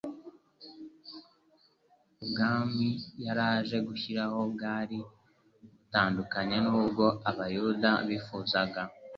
Ubwami yari aje gushyiraho bwari butandukanye n'ubwo Abayuda bifuzaga.